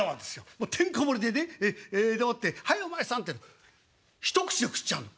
てんこ盛りでねでもって『はいお前さん』って。一口で食っちゃうの。